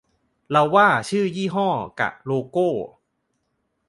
เราว่าชื่อยี่ห้อ กะ โลโก้